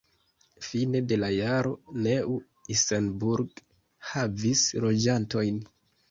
Fine de la jaro Neu-Isenburg havis loĝantojn.